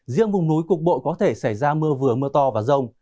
riêng vùng núi cục bộ có thể xảy ra mưa vừa mưa to và rông